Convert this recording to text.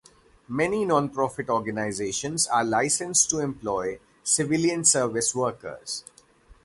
Many nonprofit organizations are licensed to employ civilian service workers.